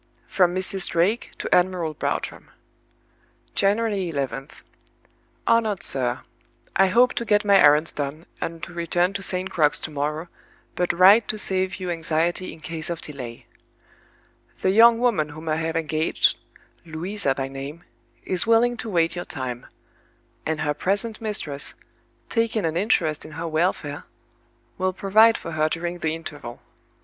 From Mrs. Drake to Admiral Bartram. "January 11th. "HONORED SIR, "I hope to get my errands done, and to return to St. Crux to morrow, but write to save you anxiety, in case of delay. "The young woman whom I have engaged (Louisa by name) is willing to wait your time; and her present mistress, taking an interest in her welfare, will provide for her during the interval.